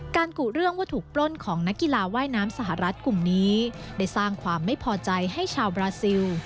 กุเรื่องว่าถูกปล้นของนักกีฬาว่ายน้ำสหรัฐกลุ่มนี้ได้สร้างความไม่พอใจให้ชาวบราซิล